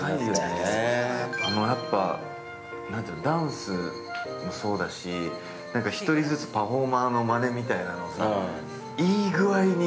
やっぱ、ダンスもそうだし１人ずつパフォーマーのまねみたいなのをいい具合に◆